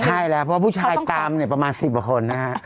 ใช่แล้วเพราะว่าผู้ชายตามเนี่ยประมาณ๑๐กว่าคนนะฮะ